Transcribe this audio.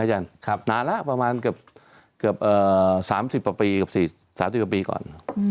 นานแล้วประมาณเกือบ๓๐กว่าปีก่อน